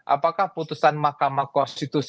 apakah keputusan mk situ